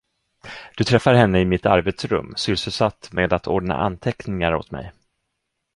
Du träffar henne i mitt arbetsrum, sysselsatt med att ordna anteckningar åt mig.